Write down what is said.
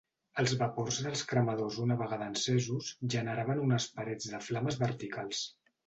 Els vapors dels cremadors una vegada encesos generaven unes parets de flames verticals.